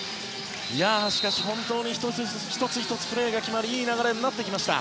しかし、本当に１つ１つプレーが決まるいい流れになってきました。